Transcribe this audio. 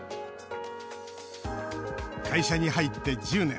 会社に入って１０年。